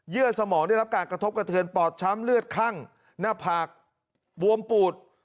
สมองได้รับการกระทบกระเทือนปอดช้ำเลือดคั่งหน้าผากบวมปูด